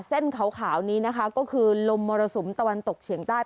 เส้นขาวนี้นะคะก็คือลมมรสุมตะวันตกเฉียงใต้